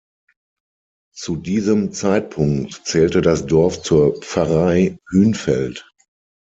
Zu diesem Zeitpunkt zählte das Dorf zur Pfarrei Hünfeld.